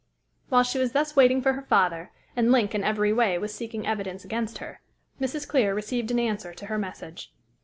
While she was thus waiting for her father, and Link in every way was seeking evidence against her, Mrs. Clear received an answer to her message.